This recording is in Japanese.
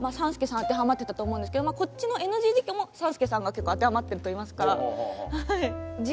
当てはまってたと思うんですけどこっちのＮＧ事項も３助さんが結構当てはまってるといいますか。